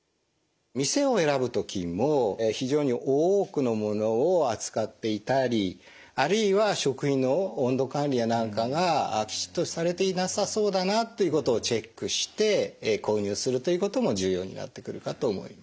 店を選ぶ時にも非常に多くのものを扱っていたりあるいは食品の温度管理や何かがきちっとされていなさそうだなということをチェックして購入するということも重要になってくるかと思います。